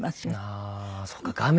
ああそうか画面で。